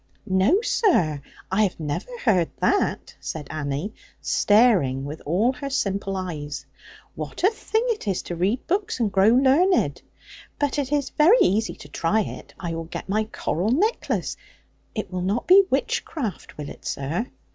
'No, sir; I have never heard that,' said Annie, staring with all her simple eyes; 'what a thing it is to read books, and grow learned! But it is very easy to try it: I will get my coral necklace; it will not be witchcraft, will it, sir?'